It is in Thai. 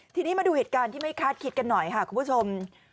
ทีนี้มาดูเหตุการณ์ที่ไม่คาดคิดกันหน่อยค่ะคุณผู้ชม